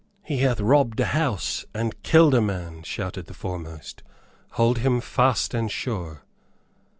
"He hath robbed a house, and killed a man," shouted the foremost. "Hold him fast and sure."